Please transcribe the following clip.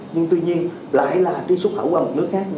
nhưng tuy nhiên lại là tuy xuất khẩu qua một nước khác